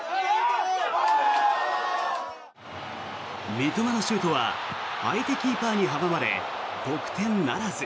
三笘のシュートは相手キーパーに阻まれ得点ならず。